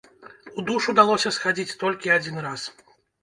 У душ удалося схадзіць толькі адзін раз.